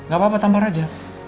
gapapa tampar aja